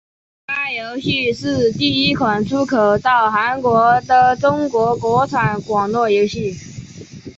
该游戏是第一款出口到韩国的中国国产网络游戏。